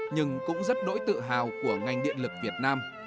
nhưng cũng rất đỗi tự hào của ngành điện lực việt nam